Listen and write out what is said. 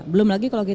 belum lagi kalau kita